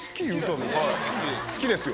好きですよ。